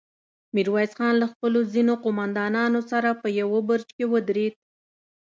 ميرويس خان له خپلو ځينو قوماندانانو سره په يوه برج کې ودرېد.